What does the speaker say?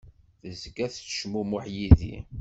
Tezga tettcmumuḥ yid-i.